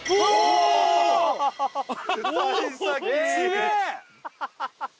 すげえ！